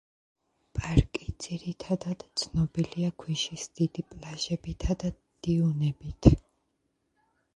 პარკი ძირითადად ცნობილია ქვიშის დიდი პლაჟებითა და დიუნებით.